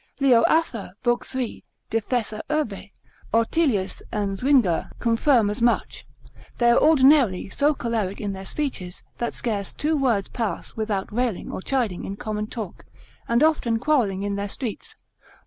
Leo Afer, lib. 3. de Fessa urbe, Ortelius and Zuinger, confirm as much: they are ordinarily so choleric in their speeches, that scarce two words pass without railing or chiding in common talk, and often quarrelling in their streets.